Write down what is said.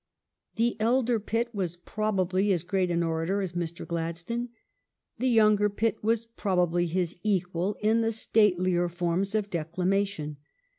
The elder Pitt was probably as great an orator as Mr. Gladstone. The younger Pitt was probably his equal in the statelier forms of declama tion.